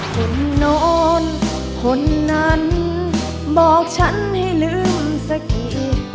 คนนอนคนนั้นบอกฉันให้ลืมสักที